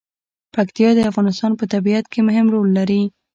پکتیا د افغانستان په طبیعت کې مهم رول لري.